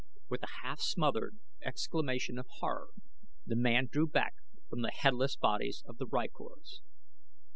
With a half smothered exclamation of horror the man drew back from the headless bodies of the rykors.